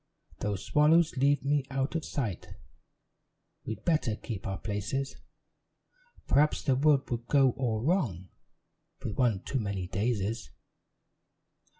"Though swallows leave me out of sight, We'd better keep our places; Perhaps the world would go all wrong, With one too many daisies.